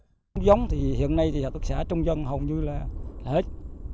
nếu không giống thì hiện nay hợp tác xã trung dân hầu như là hết